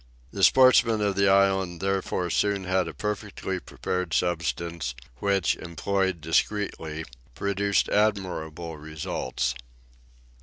The sportsmen of the island therefore soon had a perfectly prepared substance, which, employed discreetly, produced admirable results.